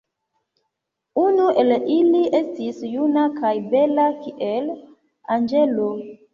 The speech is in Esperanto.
Unu el ili estis juna kaj bela kiel anĝelo.